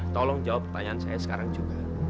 tolong jawab pertanyaan saya sekarang juga